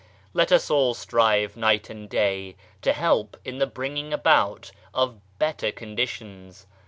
Let us all strive night and day to help in the bringing ibout of better conditions.